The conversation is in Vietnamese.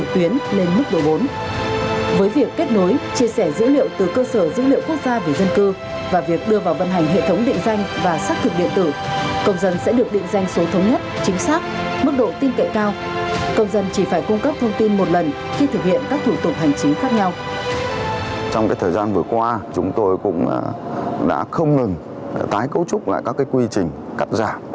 trong thời gian vừa qua chúng tôi cũng đã không ngừng tái cấu trúc lại các quy trình cắt giảm